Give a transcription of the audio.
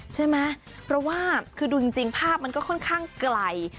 ใช่ไหมเพราะว่าคือดูจริงภาพมันก็ค่อนข้างไกล